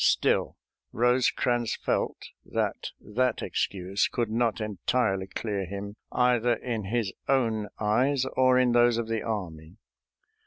Still, Rosecrans felt that that excuse could not entirely clear him either in his own eyes or in those of the army.